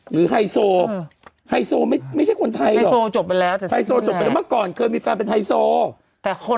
ไฮโซไฮโซไม่ใช่คนไทยหรอกไฮโซจบไปแล้วเมื่อก่อนเคยมีแฟนเป็นไฮโซแต่คน